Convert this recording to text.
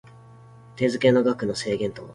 手付の額の制限等